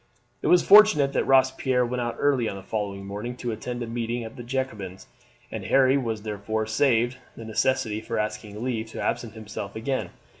It was fortunate that Robespierre went out early on the following morning to attend a meeting at the Jacobins, and Harry was therefore saved the necessity for asking leave to absent himself again.